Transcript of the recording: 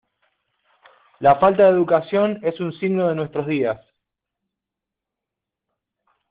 La falta de educación es un signo de nuestros días.